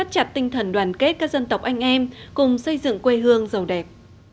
chặt tinh thần đoàn kết các dân tộc anh em cùng xây dựng quê hương giàu đẹp